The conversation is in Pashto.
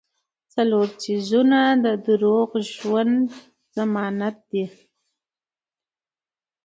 څلور څيزونه د روغ ژوند ضمانت دي -